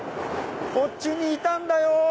こっちにいたんだよ！